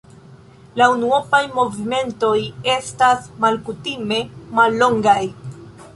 La unuopaj movimentoj estas malkutime mallongaj.